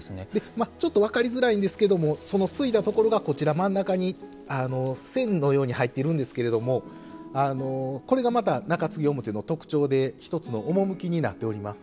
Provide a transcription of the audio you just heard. ちょっと分かりづらいんですけどもその継いだところがこちら真ん中に線のように入っているんですけれどもこれがまた中継ぎ表の特徴で一つの趣になっております。